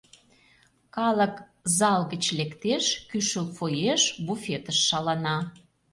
Калык зал гыч лектеш, кӱшыл фойеш, буфетыш шалана.